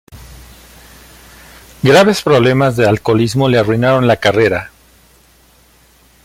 Graves problemas de alcoholismo le arruinaron la carrera.